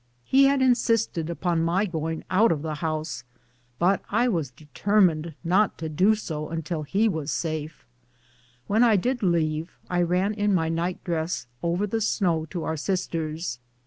He had insisted upon my going out of the house, but I was determined not to do so until he was safe. When I did leave I ran in my night dress over the snow to our sister's.